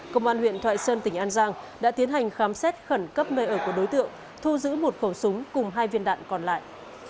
công an huyện thoại sơn tỉnh an giang đã tiến hành khám xét khẩn cấp nơi ở của đối tượng thu giữ một khẩu súng cùng hai viên đạn còn lại